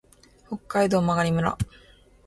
北海道真狩村